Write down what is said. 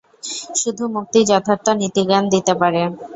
শুধু মুক্তিই যথার্থ নীতিজ্ঞান দিতে পারে।